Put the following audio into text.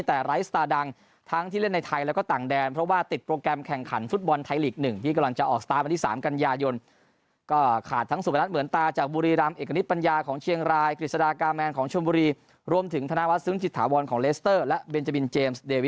แต่ไลฟ์สตาร์ดังทั้งที่เล่นในไทยแล้วก็ต่างแดนเพราะว่าติดโปรแกรมแข่งขันฟุตบอลไทยลีก๑ที่กำลังจะออกสตาร์ทวันที่๓กันยายนก็ขาดทั้งสุพนัทเหมือนตาจากบุรีรำเอกณิตปัญญาของเชียงรายกฤษฎากาแมนของชมบุรีรวมถึงธนวัฒซึ้งจิตถาวรของเลสเตอร์และเบนเจบินเจมส์